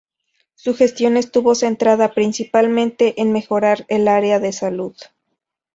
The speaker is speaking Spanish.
Su gestión estuvo centrada principalmente en mejorar el área de salud.